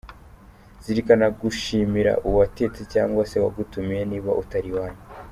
Zirikana gushimira uwatetse cyangwa se uwagutumiye niba utari iwanyu;.